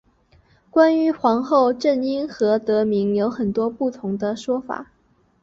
关于皇后镇因何得名有很多不同的说法。